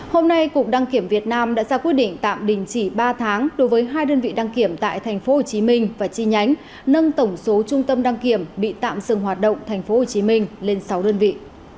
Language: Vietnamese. hôm nay cục đăng kiểm việt nam đã ra quyết định tạm đình chỉ ba tháng đối với hai đơn vị đăng kiểm tại tp hcm và chi nhánh nâng tổng số trung tâm đăng kiểm bị tạm dừng hoạt động tp hcm lên sáu đơn vị